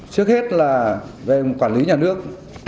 trước hết là về quản lý nhà nước